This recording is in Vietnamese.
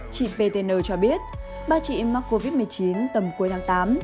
chị p t n cho biết ba chị mắc covid một mươi chín tầm cuối tháng tám